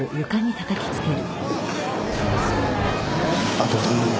あとを頼む。